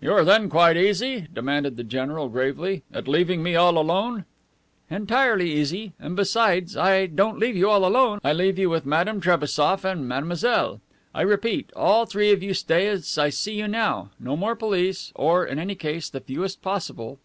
"You are then quite easy," demanded the general gravely, "at leaving me all alone?" "Entirely easy. And, besides, I don't leave you all alone. I leave you with Madame Trebassof and Mademoiselle. I repeat: All three of you stay as I see you now. No more police, or, in any case, the fewest possible."